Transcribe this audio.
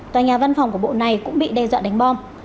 tòa nhà văn phòng của bộ này cũng bị đe dọa đánh bom